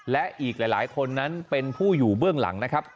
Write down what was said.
และอีกหลายคนนั้นเป็นผู้อยู่เบื้องหลังนะครับ